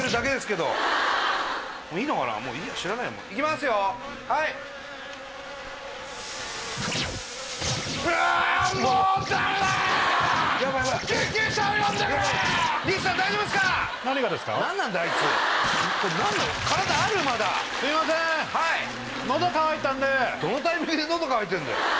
どのタイミングで喉渇いてんだよ！